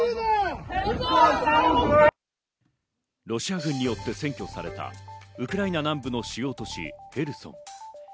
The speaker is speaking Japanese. ロシア軍によって占拠されたウクライナ南部の主要都市ヘルソン。